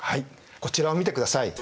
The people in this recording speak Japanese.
こちらを見てください。